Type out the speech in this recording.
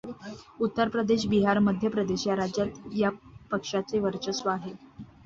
उत्तर प्रदेश, बिहार, मध्य प्रदेश या राज्यात या पक्षाचे वर्चस्व आहे.